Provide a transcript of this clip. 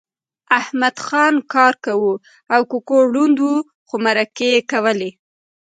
احمدخان کار کاوه او ککو ړوند و خو مرکې یې کولې